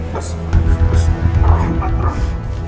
masa itu mas